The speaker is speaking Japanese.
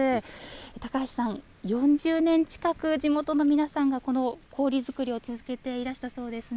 高橋さん、４０年近く、地元の皆さんが、この氷作りを続けていらしたそうですね。